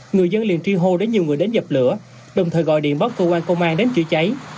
người dân liền tri hô để nhiều người đến dập lửa đồng thời gọi điện báo cơ quan công an đến chữa cháy